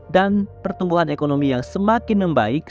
dan pertumbuhan ekonomi yang semakin membaik